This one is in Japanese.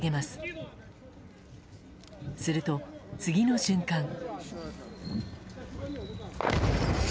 すると、次の瞬間。